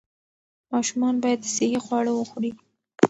ماشومان باید صحي خواړه وخوري.